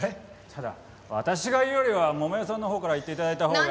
ただ私が言うよりは桃代さんのほうから言って頂いたほうが。